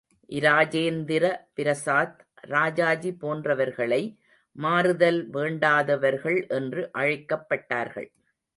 இராஜேந்திர பிரசாத், ராஜாஜி போன்றவர்களை மாறுதல் வேண்டாதவர்கள் என்று அழைக்கப்பட்டார்கள்.